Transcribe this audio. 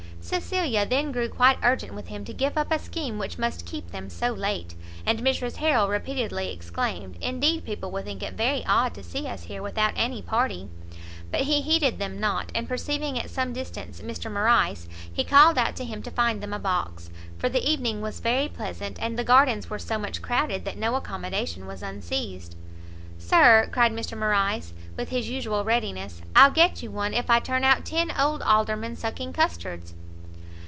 Cecilia then grew quite urgent with him to give up a scheme which must keep them so late, and Mrs Harrel repeatedly exclaimed "Indeed people will think it very odd to see us here without any party;" but he heeded them not, and perceiving at some distance Mr Morrice, he called out to him to find them a box; for the evening was very pleasant, and the gardens were so much crowded that no accommodation was unseized. "Sir," cried Morrice, with his usual readiness, "I'll get you one if I turn out ten old Aldermen sucking custards."